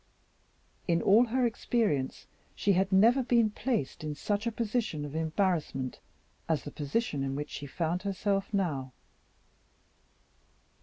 In all her experience she had never been placed in such a position of embarrassment as the position in which she found herself now.